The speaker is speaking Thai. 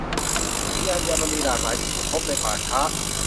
มีอัญมณีหลากหลายที่ถูกพบในป่าช้า